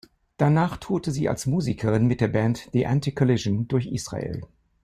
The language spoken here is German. Danach tourte sie als Musikerin mit der Band "The Anti Collision" durch Israel.